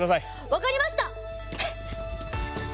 分かりました！